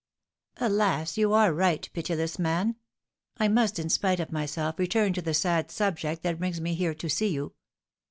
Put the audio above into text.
"Alas, you are right, pitiless man! I must, in spite of myself, return to the sad subject that brings me here to see you.